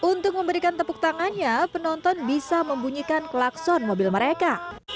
untuk memberikan tepuk tangannya penonton bisa membunyikan klakson mobil mereka